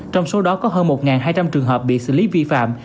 trong số đó có hơn một hai trăm linh trường hợp bị xử lý vi phạm